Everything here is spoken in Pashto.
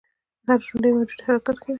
هر ژوندی موجود حرکت کوي